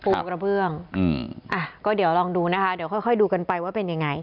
กระเบื้องอืมอ่ะก็เดี๋ยวลองดูนะคะเดี๋ยวค่อยค่อยดูกันไปว่าเป็นยังไง